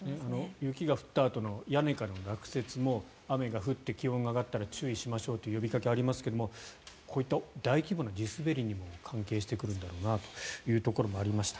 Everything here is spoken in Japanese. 雪が降ったあとの屋根からの落雪も雨が降って気温が上がったら注意しましょうという呼びかけはありますがこういった大規模な地滑りにも関係してくるんだろうなというところもありました。